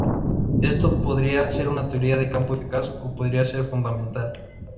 Esto podría ser una teoría de campo eficaz o podría ser fundamental.